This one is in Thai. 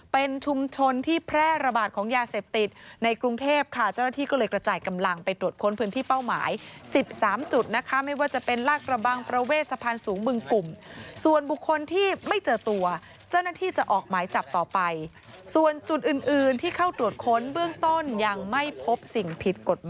เป็นชุมชนที่แพร่ระบาดของยาเสพติดในกรุงเทพฯ